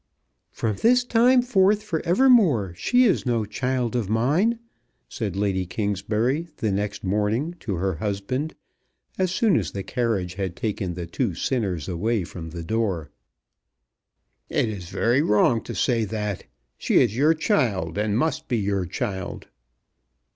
"From this time forth for evermore she is no child of mine," said Lady Kingsbury the next morning to her husband, as soon as the carriage had taken the two sinners away from the door. "It is very wrong to say that. She is your child, and must be your child."